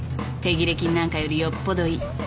手切れ金なんかよりよっぽどいい。